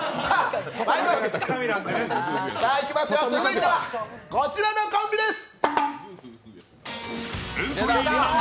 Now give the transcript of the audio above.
続いてはこちらのコンビです。